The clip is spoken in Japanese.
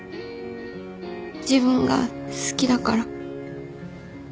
自分が好きだから。